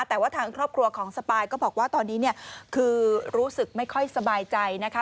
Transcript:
แต่ว่าทางครอบครัวของสปายก็บอกว่าตอนนี้เนี่ยคือรู้สึกไม่ค่อยสบายใจนะคะ